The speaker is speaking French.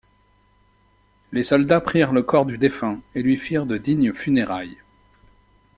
Les soldats prirent le corps du défunt, et lui firent de dignes funérailles.